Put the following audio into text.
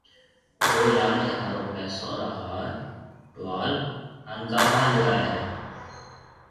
او لاڏَي ھارو پيسون را ھار، ٽوال ھان گاڀا ليائيَ ھيَََ